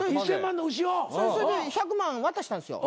それで１００万渡したんですよ。